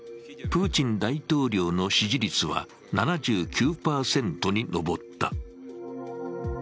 プーチン大統領の支持率は７９％に上った。